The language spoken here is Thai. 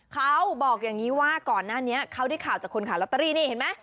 เขาบอกอย่างนี้ว่าก่อนหน้านี้เขาได้ข่าวจากคนขายลอตเตอรี่นี่เห็นไหม